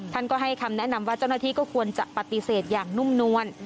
ท่านก็ให้คำแนะนำว่าเจ้าหน้าที่ก็ควรจะปฏิเสธอย่างนุ่มนวล